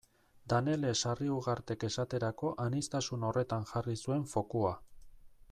Danele Sarriugartek esaterako aniztasun horretan jarri zuen fokua.